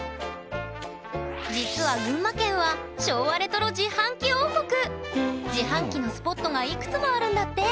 実は群馬県は自販機のスポットがいくつもあるんだって。